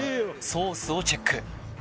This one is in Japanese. ソースをチェック